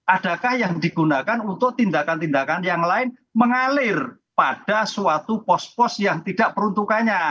adakah yang digunakan untuk tindakan tindakan yang lain mengalir pada suatu pos pos yang tidak peruntukannya